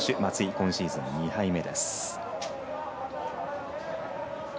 今シーズン２敗目です。